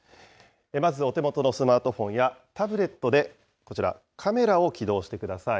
まずお手元のスマートフォンやタブレットでこちら、カメラを起動してください。